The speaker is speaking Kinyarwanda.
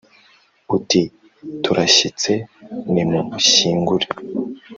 Uti: turashyitse nimunshyingure